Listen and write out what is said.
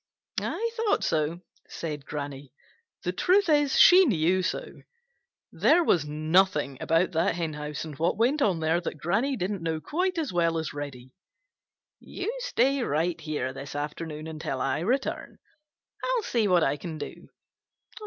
"I thought so," said Granny. The truth is, she knew so. There was nothing about that henhouse and what went on there that Granny didn't know quite as well as Reddy. "You stay right here this afternoon until I return. I'll see what I can do."